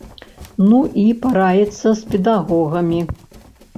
Ну, і параіцца з педагогамі.